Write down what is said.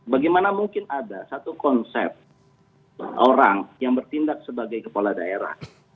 bagaimana mungkin ada satu konsep orang yang bertindak sebagai kepala daerah